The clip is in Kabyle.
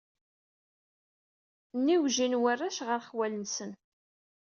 Nniwjin warrac ɣer xwal-nsen.